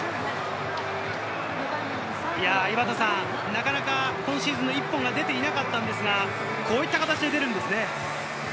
なかなか今シーズンの一本が出ていなかったのですが、こういった形で出るんですね。